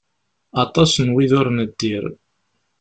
Aṭas n wid ur neddir.